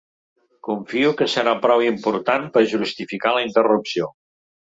Confio que serà prou important per justificar la interrupció.